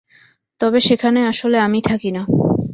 তবে সেখানে আসলে আমি থাকি না।